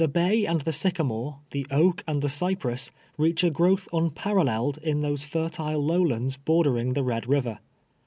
155 Tliebcay and the sycamore, the oak and the cypress, reach a growtli unparalleled, in those fertile lowlands bordering the Red River.